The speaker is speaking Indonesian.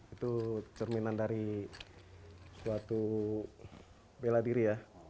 itu cerminan dari suatu bela diri ya